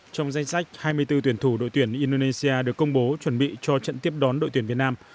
trong danh sách hai mươi bốn tuyển thủ đội tuyển indonesia được công bố chuẩn bị cho trận tiếp đón đội tuyển việt nam